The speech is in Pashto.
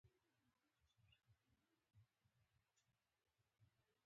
زۀ د ژوند درې واړه لارې پۀ اعتدال کښې ساتم -